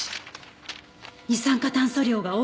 二酸化炭素量が多いですね。